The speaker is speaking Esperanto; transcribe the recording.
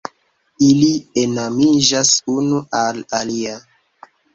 Ili enamiĝas unu al alia.